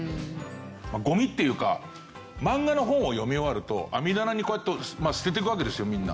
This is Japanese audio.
ゴミっていうか漫画の本を読み終わると網棚にこうやって捨てていくわけですよみんな。